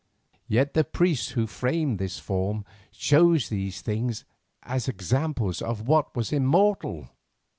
Yet the priests who framed this form chose these things as examples of what was immortal!